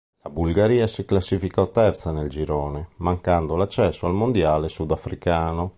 La Bulgaria si classificò terza nel girone, mancando l'accesso al mondiale sudafricano.